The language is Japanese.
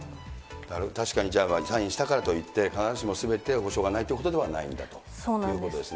確かにじゃあ、サインしたからといって必ずしもすべて補償がないということではそうなんです。